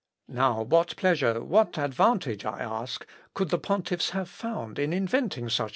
Now what pleasure, what advantage, I ask, could the pontiffs have found in inventing such a religion?